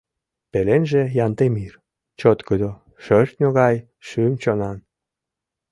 Пеленже — Янтемир, чоткыдо, шӧртньӧ гай шӱм-чонан.